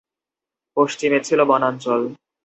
পশ্চিমে ছিল বনাঞ্চল।